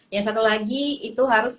yang satu lagi itu harus